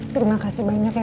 terimakasih banyak ya